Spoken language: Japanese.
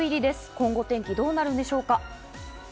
今後、天気どうなるんでしょうか。